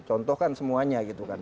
contoh kan semuanya gitu kan